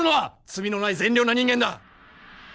罪のない善良な人間だ